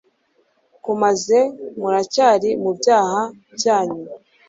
kumaze muracyari mu byaha byanyu